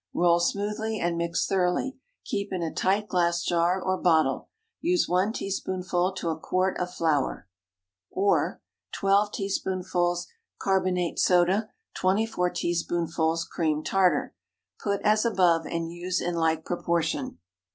Roll smoothly and mix thoroughly. Keep in a tight glass jar or bottle. Use one teaspoonful to a quart of flour. Or, 12 teaspoonfuls carb. soda. 24 teaspoonfuls cream tartar. Put as above, and use in like proportion.